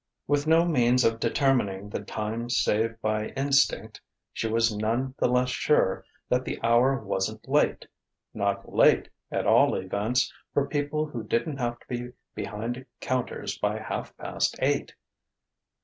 With no means of determining the time save by instinct, she was none the less sure that the hour wasn't late: not late, at all events, for people who didn't have to be behind counters by half past eight.